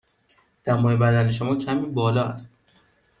دمای بدن شما کمی بالا است.